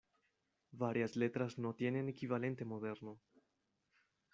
Varias letras no tienen equivalente moderno.